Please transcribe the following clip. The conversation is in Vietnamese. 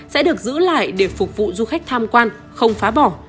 sẽ được giữ lại để phục vụ du khách tham quan không phá bỏ